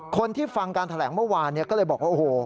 คนที่ฟังการแถลงเมื่อวานก็เลยบอกว่าโอ้โห